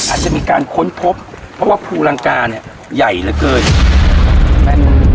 อาจจะมีการค้นพบเพราะว่าภูรังกาเนี่ยใหญ่เหลือเกินแม่น